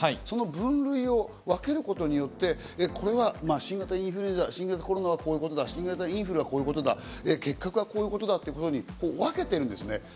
その分類を分けることによってこれは新型インフルエンザ、コロナはこういうことだ、結核はこういうことだというふうに分けてるんですね。